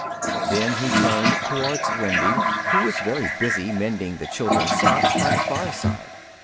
Then he turned towards Wendy, who was very busy mending the children's socks by the fireside.